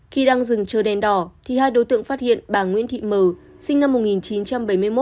khi đang dừng chờ đèn đỏ thì hai đối tượng phát hiện bà nguyễn thị mờ sinh năm một nghìn chín trăm bảy mươi một